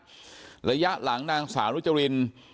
เพราะไม่เคยถามลูกสาวนะว่าไปทำธุรกิจแบบไหนอะไรยังไง